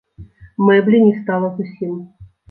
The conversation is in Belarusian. Мэблі не стала зусім.